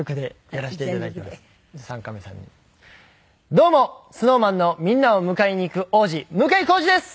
どうもＳｎｏｗＭａｎのみんなを迎えに行く王子向井康二です！